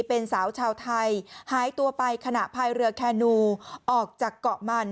เป็นสาวชาวไทยหายตัวไปขณะพายเรือแคนูออกจากเกาะมัน